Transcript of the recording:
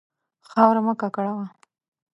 خاوره مه ککړوه.